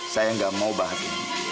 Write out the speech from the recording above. saya tidak mau bahas ini